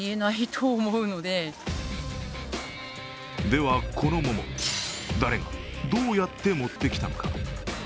では、この桃、誰がどうやって持ってきたのか。